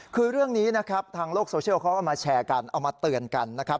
คือเรื่องนี้นะครับทางโลกโซเชียลเขาเอามาแชร์กันเอามาเตือนกันนะครับ